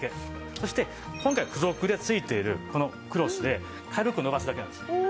そして今回付属で付いているこのクロスで軽くのばすだけなんです。